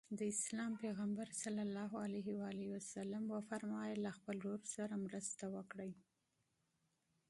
د اسلام پیغمبر ص وفرمایل له خپل ورور سره مرسته وکړئ.